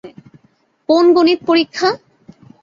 কোন গণিত পরীক্ষা?